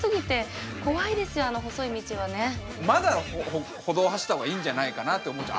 まだ歩道走った方がいいんじゃないかなって思っちゃう。